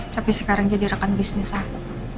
tapi sekarang dia di rekan bisnis aku